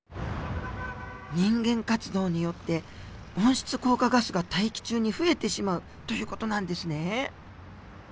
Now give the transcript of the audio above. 人間活動によって温室効果ガスが大気中に増えてしまうという事なんですね。